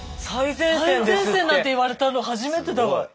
最前線なんて言われたの初めてだわ。